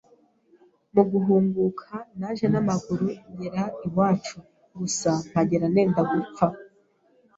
Mu guhunguka naje n’amaguru ngera iwacu, gusa mpagera nenda gupfa